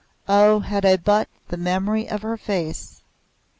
Oh, had I but the memory of her face!